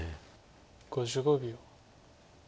５５秒。